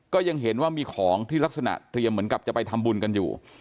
ก็ยังเห็นว่ามีของที่ลักษณะเตรียมเหมือนกับจะไปทำบุญกันอยู่